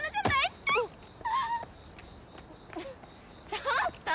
ちょっと！